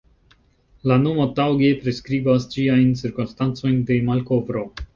La nomo taŭge priskribas ĝiajn cirkonstancojn de malkovro.